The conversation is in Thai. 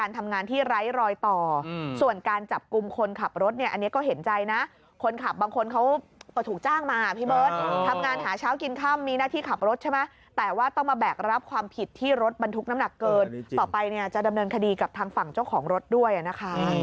แต่ว่าต้องมาแบกรับความผิดที่รถบรรทุกน้ำหนักเกินต่อไปเนี่ยจะดำเนินคดีกับทางฝั่งเจ้าของรถด้วยนะคะ